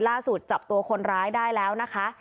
ล่าสุดจับตัวคนร้ายได้แล้วนะคะ